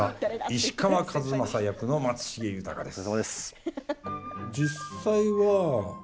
石川数正役の松重豊です。